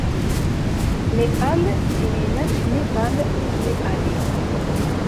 Nepal ttinin-as Nepal s tnepalit.